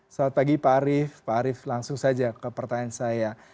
selamat pagi pak arief pak arief langsung saja ke pertanyaan saya